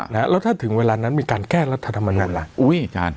แล้วถ้าถึงเวลานั้นมีการแก้รัฐธรรมนูญล่ะ